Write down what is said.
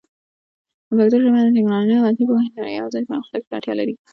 پښتو ژبه د ټیکنالوژۍ او عصري پوهې سره یوځای پرمختګ ته اړتیا لري.